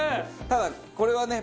ただこれはね。